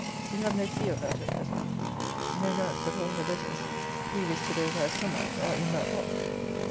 We have no key of that at present. No doubt but all her letters, previous to those I have come at, are in that box.